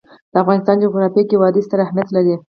د افغانستان جغرافیه کې وادي ستر اهمیت لري.